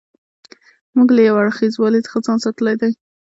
موږ له یو اړخیزوالي څخه ځان ساتلی دی.